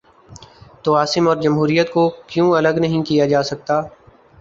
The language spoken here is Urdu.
تو عاصم اور جمہوریت کو کیوں الگ نہیں کیا جا سکتا؟